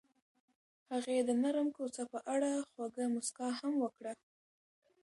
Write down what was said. هغې د نرم کوڅه په اړه خوږه موسکا هم وکړه.